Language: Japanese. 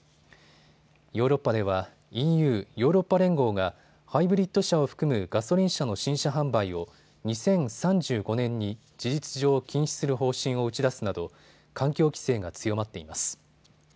ヨーロッパではＥＵ・ヨーロッパ連合がハイブリッド車を含むガソリン車の新車販売を２０３５年に事実上禁止する方針を打ち出すなど環境規制が強まっています。